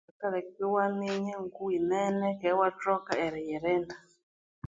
Kyikaleka iwaminya ngoku wimene keghe iwathoka eriyirinda.